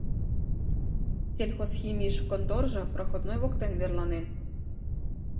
«Сельхозхимийыш» конторжо проходной воктен верланен.